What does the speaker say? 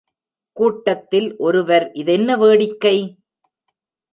கூட்டத்தில் ஒருவர் இதென்ன வேடிக்கை!